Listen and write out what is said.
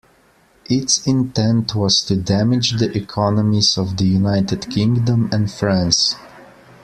Its intent was to damage the economies of the United Kingdom and France.